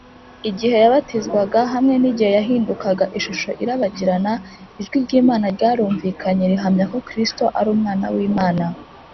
igihe yabatizwaga hamwe n’igihe yahindukaga ishusho irabagirana, ijwi ry’imana ryarumvikanye rihamya ko kristo ari umwana w’imana